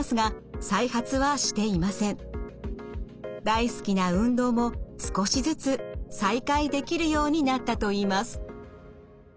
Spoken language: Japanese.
大好きな運動も少しずつ再開できるようになったといいます。